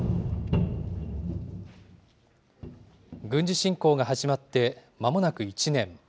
軍事侵攻が始まってまもなく１年。